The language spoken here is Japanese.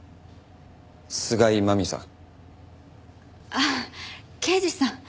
あっ刑事さん。